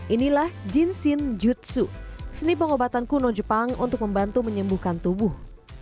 inilah jinshin jutsu seni pengobatan kuno jepang untuk membantu menyembuhkan tubuh